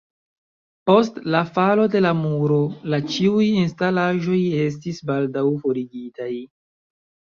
Post "„la falo de la muro“" la ĉiuj instalaĵoj estis baldaŭ forigitaj.